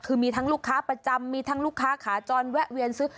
คือมีทั้งลูกค้าประจำมีทั้งลูกค้าขาจรแวะเวียนซื้อ